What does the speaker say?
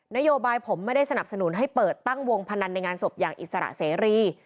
นโยบายผมไม่ได้สนับสนุนให้เปิดตั้งวงพนันในงานศพอย่างอิสระเสรี